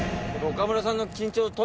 岡村さん